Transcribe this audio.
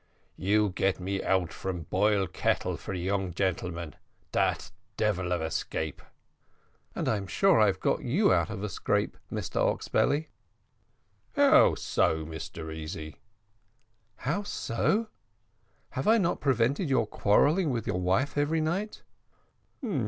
"You get me out from boil kettle for young gentlemen dat devil of scrape." "And I'm sure I've got you out of a scrape, Mr Oxbelly." "How so, Mr Easy?" "How so! have I not prevented your quarrelling with your wife every night?"